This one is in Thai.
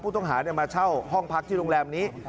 ต้องมาเช่าห้องพักที่โรงแรมนี้